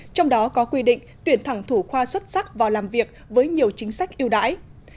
trong đó có quy định tuyển thẳng thủ khoa xuất sắc vào làm việc với nhiều chính sách ưu đãi